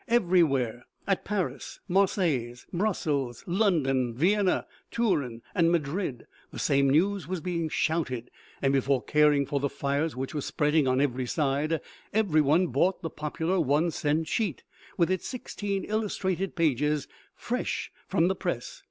Everywhere, at Paris, Marseilles, Brus sels, London, Vienna, Turin and Madrid, the same news was being shouted, and before caring for the fires which were spreading on every side, everyone bought the popu lar one cent sheet, with its sixteen illustrated pages fresh from the press.